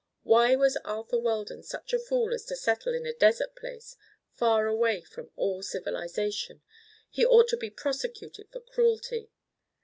Why was Arthur Weldon such a fool as to settle in a desert place, far away from all civilization? He ought to be prosecuted for cruelty."